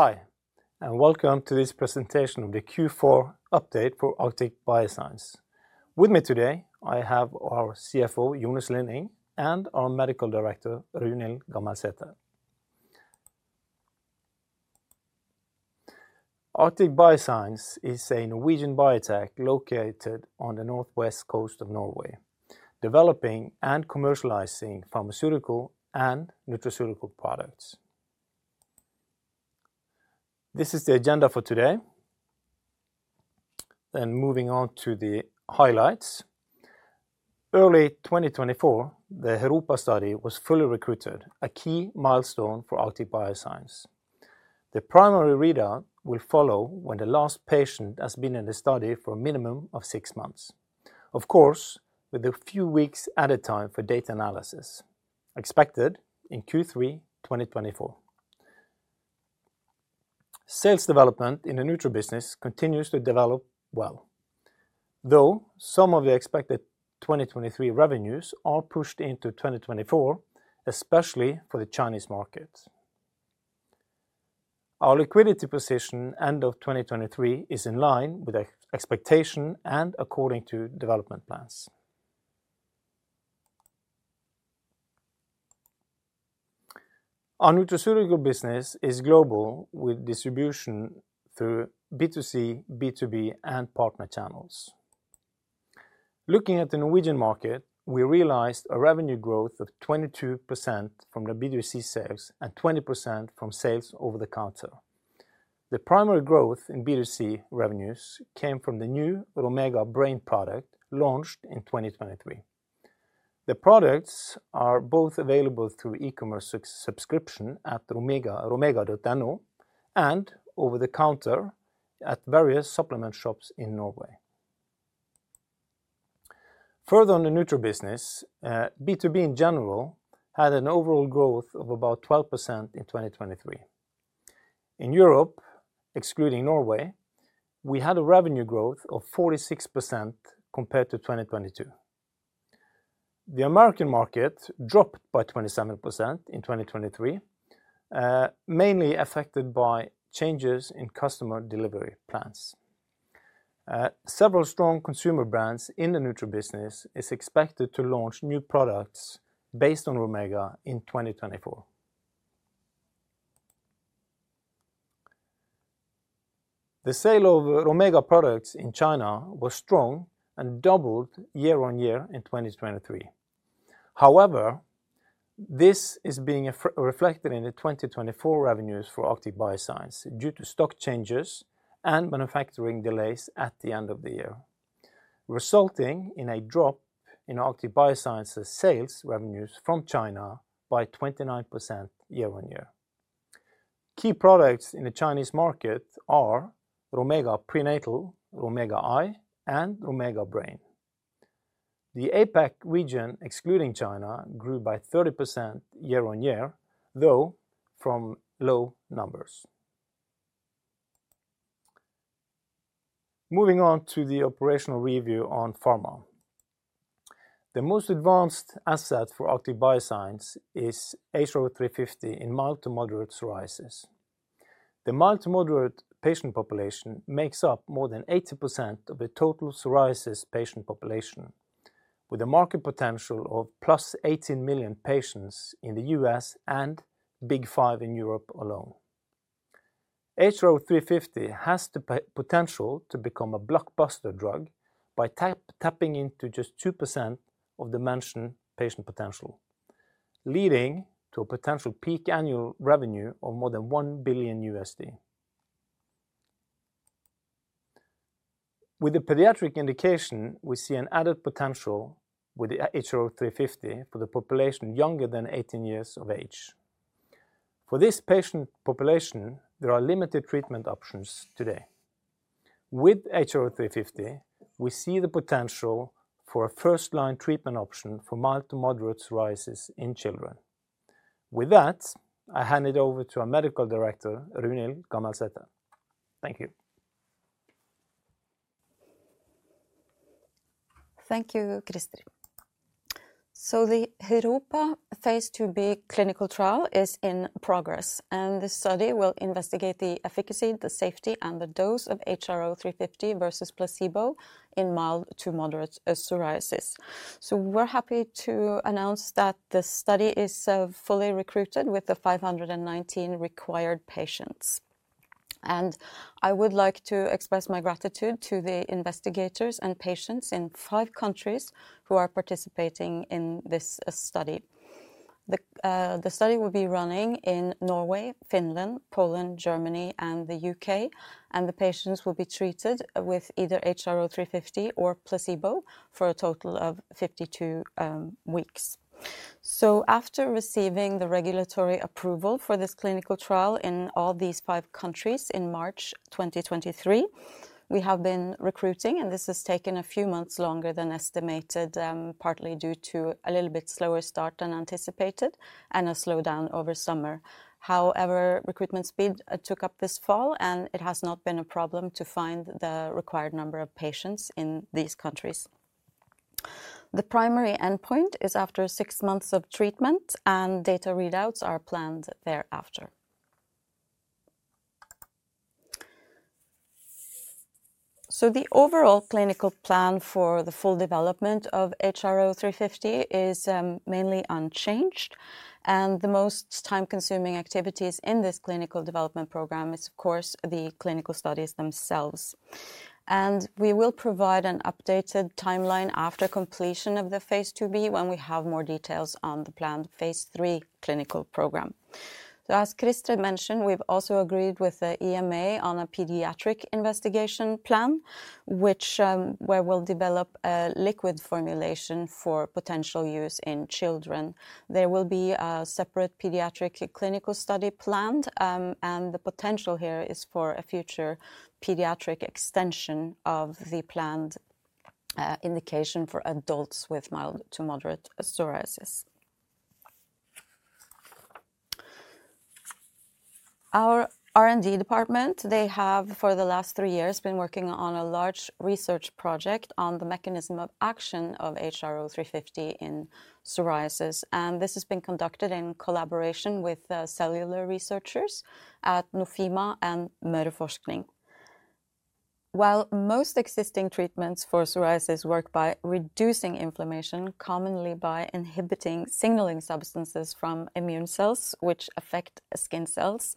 Hi, and welcome to this presentation of the Q4 update for Arctic Bioscience. With me today, I have our CFO, Jone R. Slinning, and our medical director, Runhild Gammelsæter. Arctic Bioscience is a Norwegian biotech located on the northwest coast of Norway, developing and commercializing pharmaceutical and nutraceutical products. This is the agenda for today. Moving on to the highlights. Early 2024, the HeROPA study was fully recruited, a key milestone for Arctic Bioscience. The primary readout will follow when the last patient has been in the study for a minimum of six months. Of course, with a few weeks added time for data analysis, expected in Q3 2024. Sales development in the Nutra business continues to develop well, though some of the expected 2023 revenues are pushed into 2024, especially for the Chinese market. Our liquidity position end of 2023 is in line with expectation and according to development plans. Our nutraceutical business is global, with distribution through B2C, B2B, and partner channels. Looking at the Norwegian market, we realized a revenue growth of 22% from the B2C sales and 20% from sales over-the-counter. The primary growth in B2C revenues came from the new Romega Brain product, launched in 2023. The products are both available through e-commerce subscription at Romega, romega.no, and over the counter at various supplement shops in Norway. Further on the Nutra business, B2B in general had an overall growth of about 12% in 2023. In Europe, excluding Norway, we had a revenue growth of 46% compared to 2022. The American market dropped by 27% in 2023, mainly affected by changes in customer delivery plans. Several strong consumer brands in the Nutra business is expected to launch new products based on Romega in 2024. The sale of Romega products in China was strong and doubled year on year in 2023. However, this is being reflected in the 2024 revenues for Arctic Bioscience due to stock changes and manufacturing delays at the end of the year, resulting in a drop in Arctic Bioscience sales revenues from China by 29% year on year. Key products in the Chinese market are Romega Prenatal, Romega Eye, and Romega Brain. The APAC region, excluding China, grew by 30% year on year, though from low numbers. Moving on to the operational review on pharma. The most advanced asset for Arctic Bioscience is HRO350 in mild to moderate psoriasis. The mild to moderate patient population makes up more than 80% of the total psoriasis patient population, with a market potential of plus 18 million patients in the US and Big Five in Europe alone. HRO350 has the potential to become a blockbuster drug by tapping into just 2% of the mentioned patient potential, leading to a potential peak annual revenue of more than $1 billion. With the pediatric indication, we see an added potential with the HRO350 for the population younger than 18 years of age. For this patient population, there are limited treatment options today. With HRO350, we see the potential for a first-line treatment option for mild to moderate psoriasis in children. With that, I hand it over to our medical director, Runhild Gammelsæter. Thank you. Thank you, Christer. So the HeROPA Phase IIb clinical trial is in progress, and this study will investigate the efficacy, the safety, and the dose of HRO350 versus placebo in mild to moderate psoriasis. So we're happy to announce that the study is fully recruited with the 519 required patients. And I would like to express my gratitude to the investigators and patients in five countries who are participating in this study. The study will be running in Norway, Finland, Poland, Germany, and the U.K., and the patients will be treated with either HRO350 or placebo for a total of 52 weeks. After receiving the regulatory approval for this clinical trial in all these 5 countries in March 2023, we have been recruiting, and this has taken a few months longer than estimated, partly due to a little bit slower start than anticipated and a slowdown over summer. However, recruitment speed took up this fall, and it has not been a problem to find the required number of patients in these countries. The primary endpoint is after 6 months of treatment, and data readouts are planned thereafter. So the overall clinical plan for the full development of HRO350 is mainly unchanged, and the most time-consuming activities in this clinical development program is, of course, the clinical studies themselves. We will provide an updated timeline after completion of the Phase IIb when we have more details on the planned Phase 3 clinical program. So as Christer mentioned, we've also agreed with the EMA on a pediatric investigation plan, which, where we'll develop a liquid formulation for potential use in children. There will be a separate pediatric clinical study planned, and the potential here is for a future pediatric extension of the planned indication for adults with mild to moderate psoriasis. Our R&D department, they have, for the last three years, been working on a large research project on the mechanism of action of HRO350 in psoriasis, and this has been conducted in collaboration with cellular researchers at Nofima and Møreforsking. While most existing treatments for psoriasis work by reducing inflammation, commonly by inhibiting signaling substances from immune cells, which affect skin cells,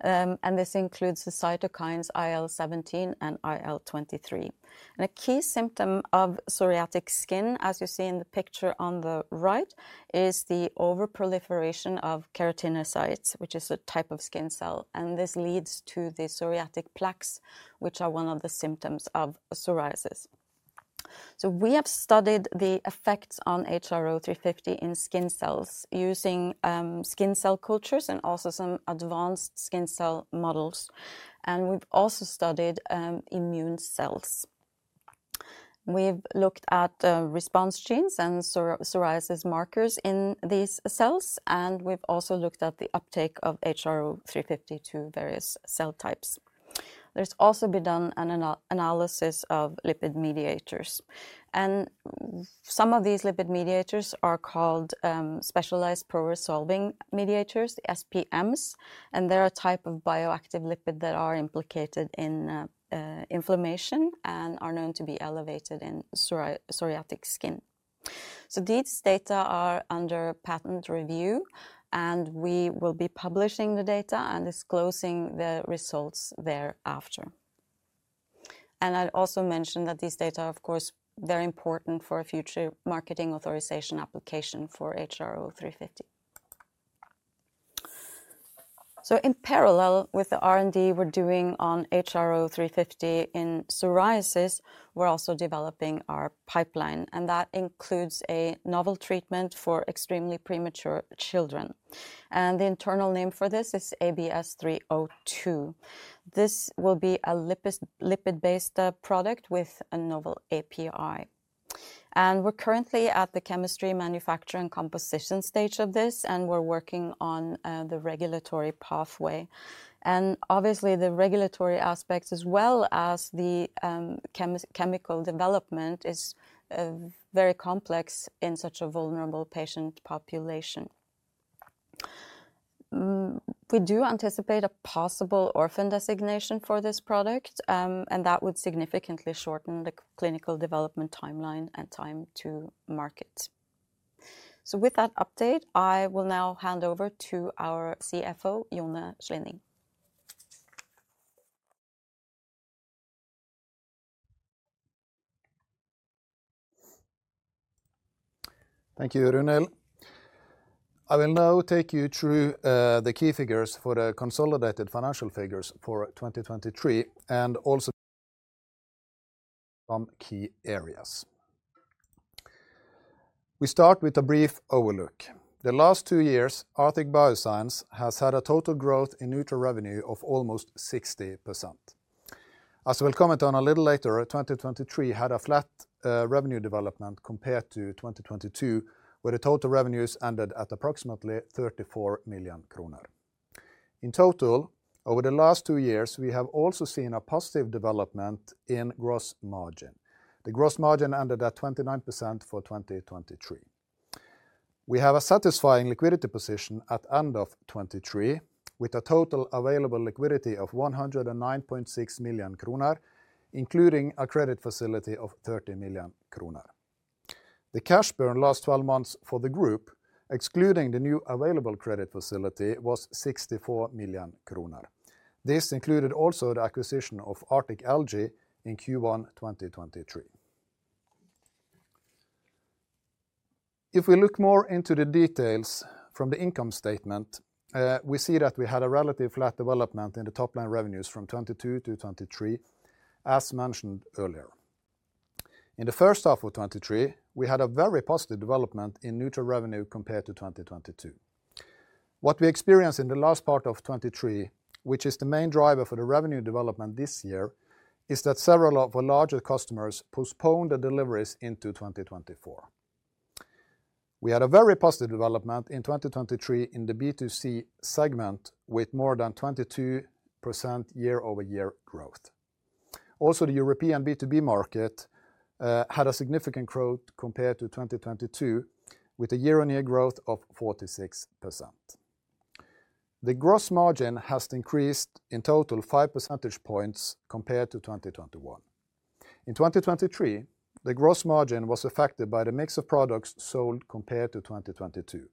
and this includes the cytokines IL-17 and IL-23. A key symptom of psoriatic skin, as you see in the picture on the right, is the overproliferation of keratinocytes, which is a type of skin cell, and this leads to the psoriatic plaques, which are one of the symptoms of psoriasis. So we have studied the effects on HRO350 in skin cells using skin cell cultures and also some advanced skin cell models, and we've also studied immune cells. We've looked at response genes and psoriasis markers in these cells, and we've also looked at the uptake of HRO350 to various cell types. There's also been done an analysis of lipid mediators, and some of these lipid mediators are called specialized pro-resolving mediators, the SPMs, and they're a type of bioactive lipid that are implicated in inflammation and are known to be elevated in psoriatic skin. These data are under patent review, and we will be publishing the data and disclosing the results thereafter. I'll also mention that these data are, of course, very important for a future marketing authorization application for HRO350. In parallel with the R&D we're doing on HRO350 in psoriasis, we're also developing our pipeline, and that includes a novel treatment for extremely premature children, and the internal name for this is ABS302. This will be a lipid-based product with a novel API. We're currently at the chemistry, manufacturing, and composition stage of this, and we're working on the regulatory pathway. Obviously, the regulatory aspects, as well as the chemical development, is very complex in such a vulnerable patient population. We do anticipate a possible orphan designation for this product, and that would significantly shorten the clinical development timeline and time to market. So with that update, I will now hand over to our CFO, Jone R. Slinning. Thank you, Runhild. I will now take you through the key figures for the consolidated financial figures for 2023, and also some key areas. We start with a brief overlook. The last two years, Arctic Bioscience has had a total growth in Nutra revenue of almost 60%. As we'll comment on a little later, 2023 had a flat revenue development compared to 2022, where the total revenues ended at approximately 34 million kroner. In total, over the last two years, we have also seen a positive development in gross margin. The gross margin ended at 29% for 2023. We have a satisfying liquidity position at end of 2023, with a total available liquidity of 109.6 million kroner, including a credit facility of 30 million kroner. The cash burn last 12 months for the group, excluding the new available credit facility, was 64 million kroner. This included also the acquisition of Arctic Algae in Q1 2023. If we look more into the details from the income statement, we see that we had a relative flat development in the top-line revenues from 2022 to 2023, as mentioned earlier. In the first half of 2023, we had a very positive development in Nutra revenue compared to 2022. What we experienced in the last part of 2023, which is the main driver for the revenue development this year, is that several of our larger customers postponed the deliveries into 2024. We had a very positive development in 2023 in the B2C segment, with more than 22% year-over-year growth. Also, the European B2B market had a significant growth compared to 2022, with a year-on-year growth of 46%. The gross margin has increased in total five percentage points compared to 2021. In 2023, the gross margin was affected by the mix of products sold compared to 2022.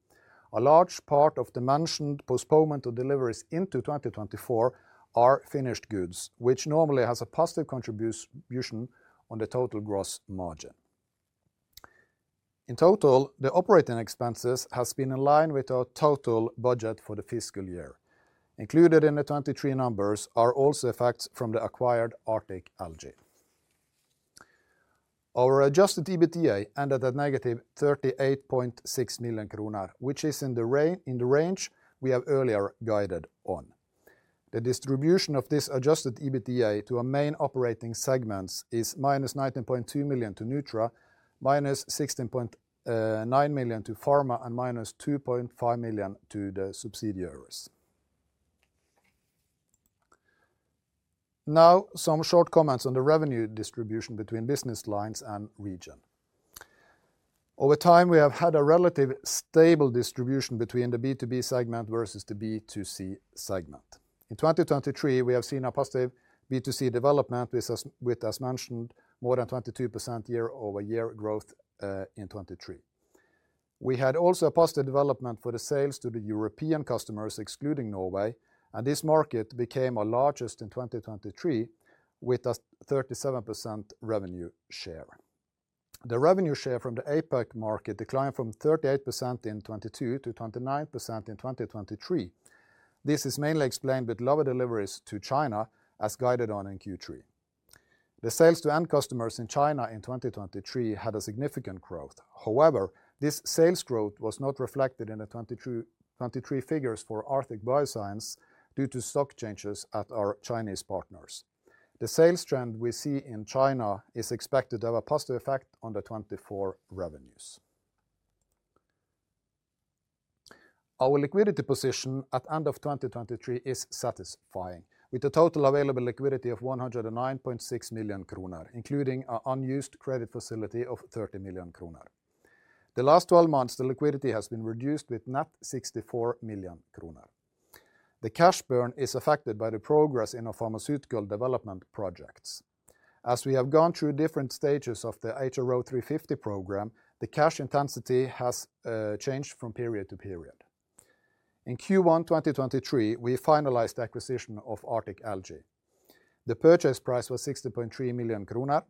A large part of the mentioned postponement of deliveries into 2024 are finished goods, which normally has a positive contribution on the total gross margin. In total, the operating expenses has been in line with our total budget for the fiscal year. Included in the 2023 numbers are also effects from the acquired Arctic Algae. Our adjusted EBITDA ended at -38.6 million kroner, which is in the range we have earlier guided on. The distribution of this adjusted EBITDA to our main operating segments is -19.2 million to Nutra, -16.9 million to Pharma, and -2.5 million to the subsidiaries. Now, some short comments on the revenue distribution between business lines and region. Over time, we have had a relative stable distribution between the B2B segment versus the B2C segment. In 2023, we have seen a positive B2C development with, as mentioned, more than 22% year-over-year growth in 2023. We had also a positive development for the sales to the European customers, excluding Norway, and this market became our largest in 2023, with a 37% revenue share. The revenue share from the APAC market declined from 38% in 2022 to 29% in 2023. This is mainly explained with lower deliveries to China, as guided on in Q3. The sales to end customers in China in 2023 had a significant growth. However, this sales growth was not reflected in the 2023, 2023 figures for Arctic Bioscience due to stock changes at our Chinese partners. The sales trend we see in China is expected to have a positive effect on the 2024 revenues. Our liquidity position at end of 2023 is satisfying, with a total available liquidity of 109.6 million kroner, including our unused credit facility of 30 million kroner. The last 12 months, the liquidity has been reduced with net 64 million kroner. The cash burn is affected by the progress in our pharmaceutical development projects. As we have gone through different stages of the HRO350 program, the cash intensity has changed from period to period. In Q1 2023, we finalized the acquisition of Arctic Algae. The purchase price was 60.3 million kroner.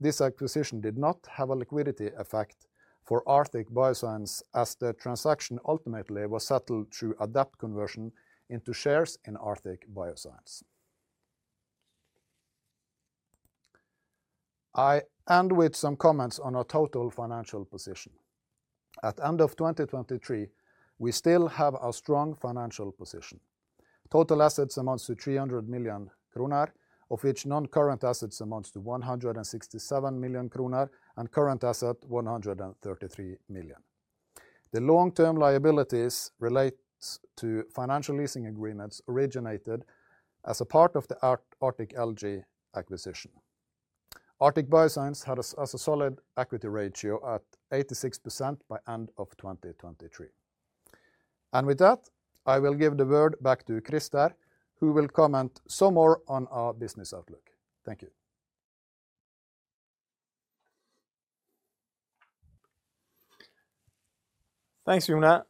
This acquisition did not have a liquidity effect for Arctic Bioscience, as the transaction ultimately was settled through debt conversion into shares in Arctic Bioscience. I end with some comments on our total financial position. At end of 2023, we still have a strong financial position. Total assets amounts to 300 million kroner, of which non-current assets amounts to 167 million kroner, and current assets 133 million. The long-term liabilities relates to financial leasing agreements originated as a part of the Arctic Algae acquisition. Arctic Bioscience has a solid equity ratio at 86% by end of 2023. With that, I will give the word back to Christer, who will comment some more on our business outlook. Thank you. Thanks, Jone.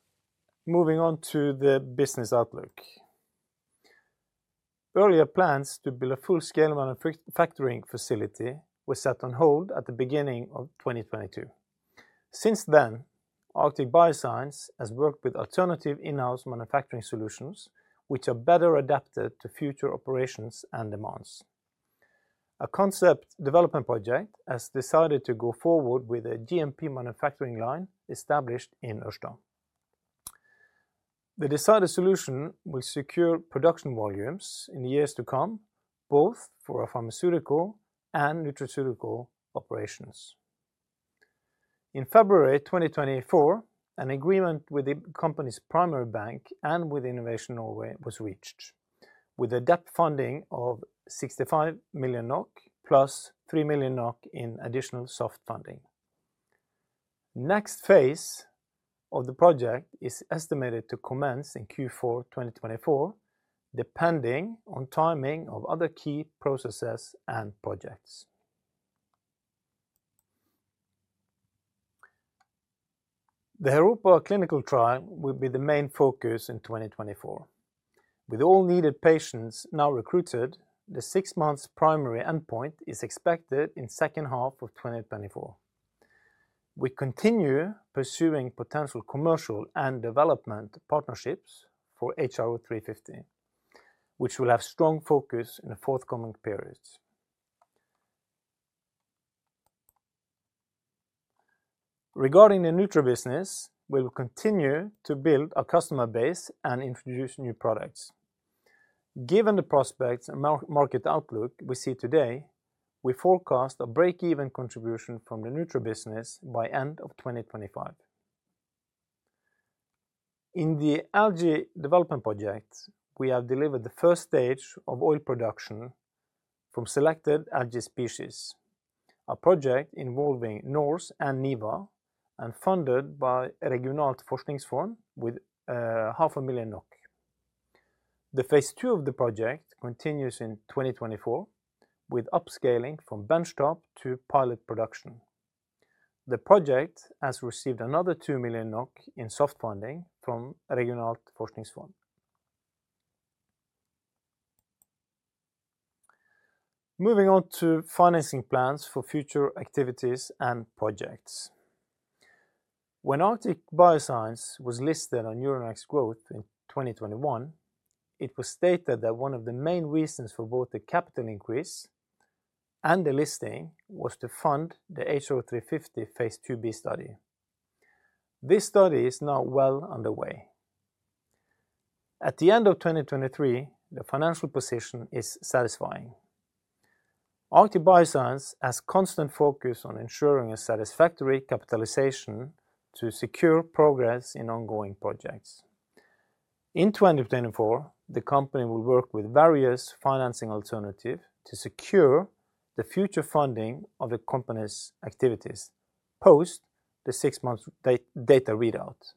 Moving on to the business outlook. Earlier plans to build a full-scale manufacturing facility were set on hold at the beginning of 2022. Since then, Arctic Bioscience has worked with alternative in-house manufacturing solutions, which are better adapted to future operations and demands. A concept development project has decided to go forward with a GMP manufacturing line established in Ørsta. The decided solution will secure production volumes in the years to come, both for our pharmaceutical and nutraceutical operations. In February 2024, an agreement with the company's primary bank and with Innovation Norway was reached, with a debt funding of 65 million NOK plus 3 million NOK in additional soft funding. Next phase of the project is estimated to commence in Q4 2024, depending on timing of other key processes and projects. The HeROPA clinical trial will be the main focus in 2024. With all needed patients now recruited, the six months primary endpoint is expected in second half of 2024. We continue pursuing potential commercial and development partnerships for HRO350, which will have strong focus in the forthcoming periods. Regarding the Nutra business, we will continue to build our customer base and introduce new products. Given the prospects and market outlook we see today, we forecast a break-even contribution from the nutraceutical business by end of 2025. In the algae development project, we have delivered the first stage of oil production from selected algae species, a project involving NORCE and NIVA, and funded by Regionalt Forskningsfond with 500,000 NOK. The phase two of the project continues in 2024, with upscaling from bench top to pilot production. The project has received another 2 million NOK in soft funding from Regionalt Forskningsfond. Moving on to financing plans for future activities and projects. When Arctic Bioscience was listed on Euronext Growth in 2021, it was stated that one of the main reasons for both the capital increase and the listing was to fund the HRO350 Phase 2b study. This study is now well underway. At the end of 2023, the financial position is satisfying. Arctic Bioscience has constant focus on ensuring a satisfactory capitalization to secure progress in ongoing projects. In 2024, the company will work with various financing alternative to secure the future funding of the company's activities, post the six-month data readout.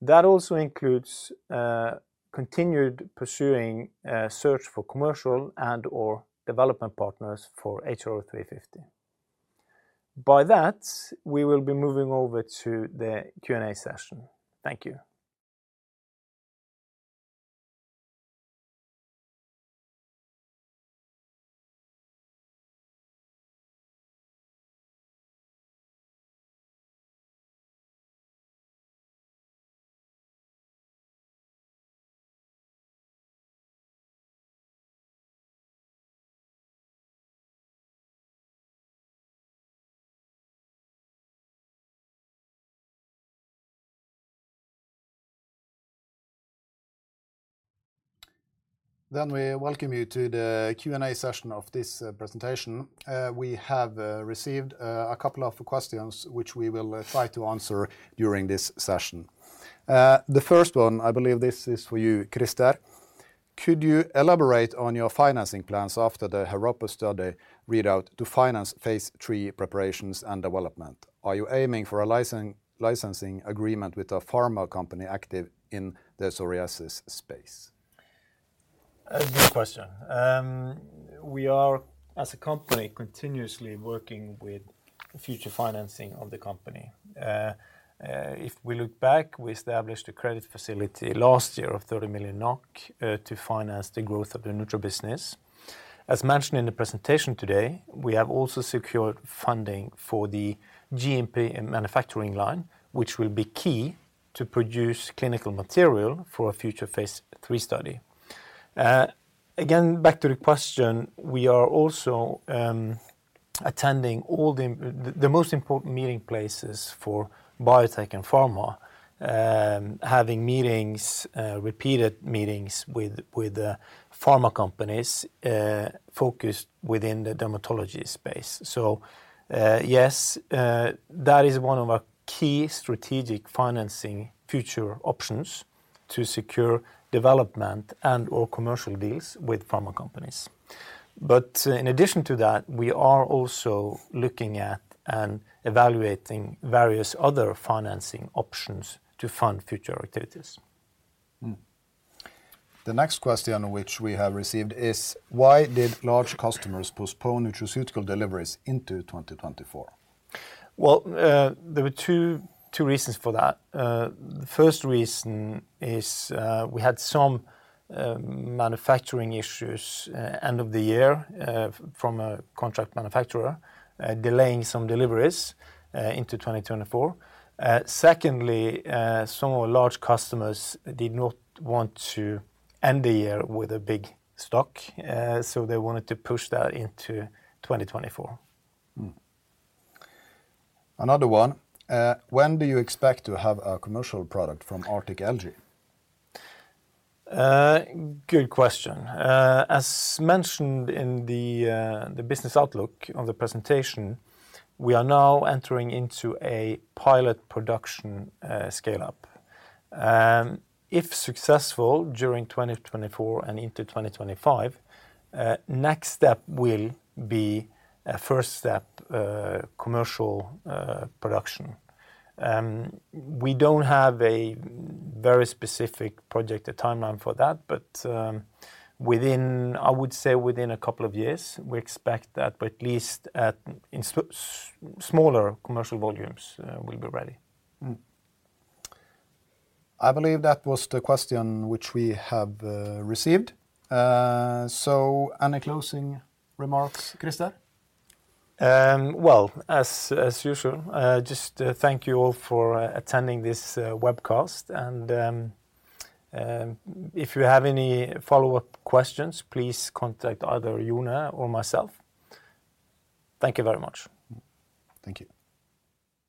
That also includes continued pursuing a search for commercial and/or development partners for HRO350. By that, we will be moving over to the Q&A session. Thank you. We welcome you to the Q&A session of this presentation. We have received a couple of questions, which we will try to answer during this session. The first one, I believe this is for you, Christer. Could you elaborate on your financing plans after the HeROPA study readout to finance phase 3 preparations and development? Are you aiming for a licensing, licensing agreement with a pharma company active in the psoriasis space? A good question. We are, as a company, continuously working with future financing of the company. If we look back, we established a credit facility last year of 30 million NOK to finance the growth of the nutraceutical business. As mentioned in the presentation today, we have also secured funding for the GMP manufacturing line, which will be key to produce clinical material for a future Phase 3 study. Again, back to the question, we are also attending all the most important meeting places for biotech and pharma, having meetings, repeated meetings with the pharma companies focused within the dermatology space. So, yes, that is one of our key strategic financing future options to secure development and/or commercial deals with pharma companies. But, in addition to that, we are also looking at and evaluating various other financing options to fund future activities. Mm-hmm. The next question which we have received is: Why did large customers postpone nutraceutical deliveries into 2024? Well, there were two reasons for that. The first reason is, we had some manufacturing issues end of the year from a contract manufacturer delaying some deliveries into 2024. Secondly, some of our large customers did not want to end the year with a big stock, so they wanted to push that into 2024. Mm-hmm. Another one: When do you expect to have a commercial product from Arctic Algae? Good question. As mentioned in the business outlook on the presentation, we are now entering into a pilot production scale-up. If successful, during 2024 and into 2025, next step will be a first step commercial production. We don't have a very specific projected timeline for that, but within... I would say, within a couple of years, we expect that, but at least in smaller commercial volumes, we'll be ready. Mm-hmm. I believe that was the question which we have received. So any closing remarks, Christer? Well, as usual, just thank you all for attending this webcast. If you have any follow-up questions, please contact either Jone or myself. Thank you very much. Mm-hmm. Thank you.